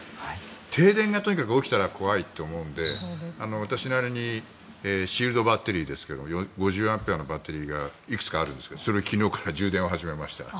停電がとにかく起きたら怖いと思うので私なりにシールドバッテリーですけど５０アンペアのバッテリーがいくつかあるんですがそれを昨日から充電を始めました。